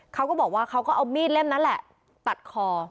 เขาก็บอกว่าเขาก็เอามีดเล่มนั้นแหละตัดคอ